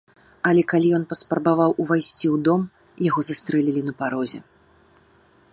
Але калі ён паспрабаваў увайсці ў дом, яго застрэлілі на парозе.